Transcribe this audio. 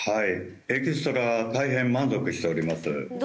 エキストラ大変満足しております。